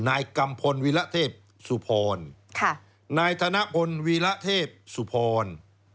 นายกัมพลวีระเทพสุพรนายธนพลวีระเทพสุพร